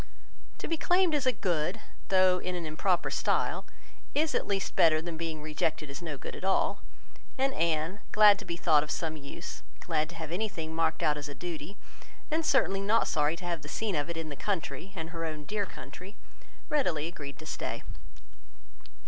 To be claimed as a good, though in an improper style, is at least better than being rejected as no good at all; and Anne, glad to be thought of some use, glad to have anything marked out as a duty, and certainly not sorry to have the scene of it in the country, and her own dear country, readily agreed to stay.